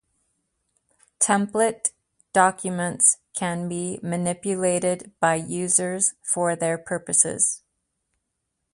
Template documents can be manipulated by users for their purposes.